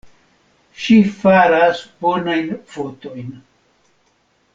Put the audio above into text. Ŝi faras bonajn fotojn.